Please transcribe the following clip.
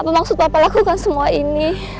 apa maksud bapak lakukan semua ini